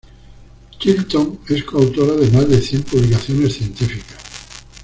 Chilton es coautora de más de cien publicaciones científicas.